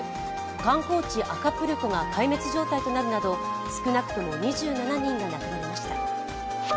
観光地アカプルコが壊滅状態となるなど少なくとも２７人が亡くなりました。